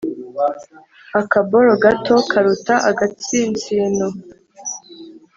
a kaboro gato karuta agatsi nsino